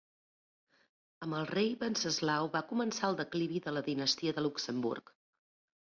Amb el rei Venceslau va començar el declivi de la dinastia de Luxemburg.